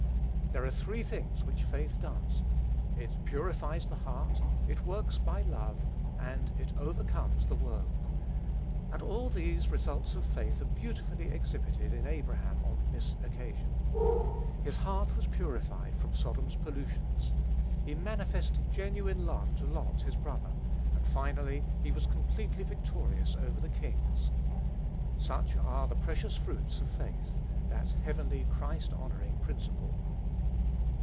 There are three things which faith does: it "purifies the heart;" it "works by love;" and it "overcomes the world;" and all these results of faith are beautifully exhibited in Abraham on this occasion. His heart was purified from Sodom's pollutions; he manifested genuine love to Lot, his brother; and, finally, he was completely victorious over the kings. Such are the precious fruits of faith, that heavenly, Christ honoring principle.